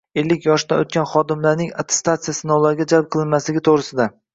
ellik yoshdan o‘tgan xodimlarning attestatsiya sinovlariga jalb qilinmasligi to‘g‘risida